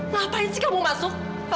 ngapain sih kamu masuk